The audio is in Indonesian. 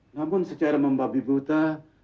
namun secara membabi buta